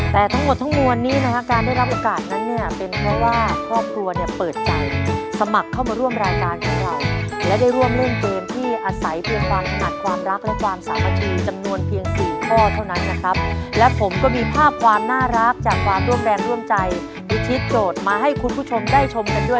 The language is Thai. แต่ทั้งหมดทั้งมวลนี้นะฮะการได้รับโอกาสนั้นเนี่ยเป็นเพราะว่าครอบครัวเนี่ยเปิดใจสมัครเข้ามาร่วมรายการของเราและได้ร่วมเล่นเกมที่อาศัยเพียงความถนัดความรักและความสามัคคีจำนวนเพียงสี่ข้อเท่านั้นนะครับและผมก็มีภาพความน่ารักจากความร่วมแรงร่วมใจพิชิตโจทย์มาให้คุณผู้ชมได้ชมกันด้วย